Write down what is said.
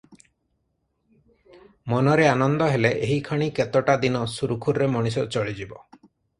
ମନରେ ଆନନ୍ଦ ହେଲେ, ଏହିକ୍ଷଣି କେତୋଟା ଦିନ ସୁରୁଖୁରୁରେ ମଣିଷ ଚଳିଯିବ ।